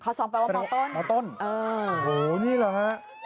คอซองแปลว่าคอต้นคอต้นโอ้โฮนี่เหรอฮะ